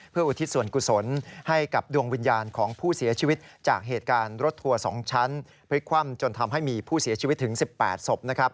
เพื่ออุทิศส่วนกุศลให้กับดวงวิญญาณของผู้เสียชีวิตจากเหตุการณ์รถทัวร์๒ชั้นพลิกคว่ำจนทำให้มีผู้เสียชีวิตถึง๑๘ศพนะครับ